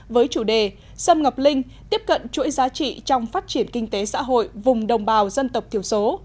với chủ đề sâm ngọc linh tiếp cận chuỗi giá trị trong phát triển kinh tế xã hội vùng đồng bào dân tộc thiểu số